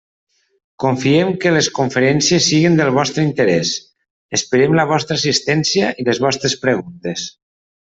Confiem que les conferències siguin del vostre interès, esperem la vostra assistència i les vostres preguntes.